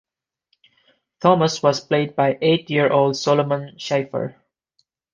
Thomas was played by eight-year-old Solomon Cheifer.